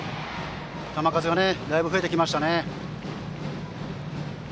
球数がだいぶ増えてきましたね。